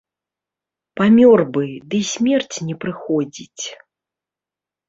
Памёр бы, ды смерць не прыходзіць.